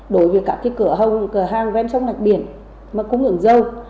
đối với các cửa hàng ven sông đạch biển mà cũng ứng dầu